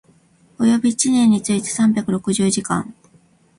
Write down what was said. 及び一年について三百六十時間